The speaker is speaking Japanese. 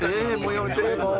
やめてもう。